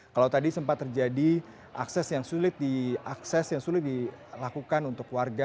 kalau tadi sempat terjadi akses yang sulit dilakukan untuk warga